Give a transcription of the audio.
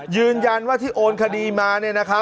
ยืนยันว่าที่โอนคดีมานี่นะคะ